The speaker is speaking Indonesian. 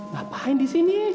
ngapain di sini